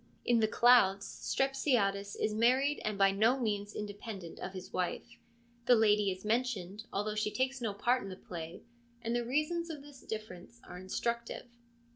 In the Clouds, Strepsiades is married and by no means independent of his wife : the lady is mentioned, although she takes no part in the play, and the reasons of this difference are instructive.